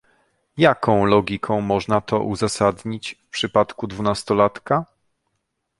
Jaką logiką można to uzasadnić w przypadku dwunastolatka?